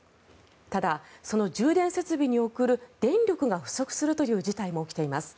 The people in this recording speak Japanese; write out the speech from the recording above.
ただ、その充電設備に送る電力が不足するという事態も起きています。